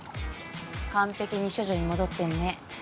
完璧に処女に戻ってんね。